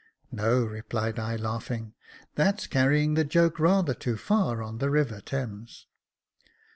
"No," replied I, laughing, "that's carrying the joke rather too far on the River Thames."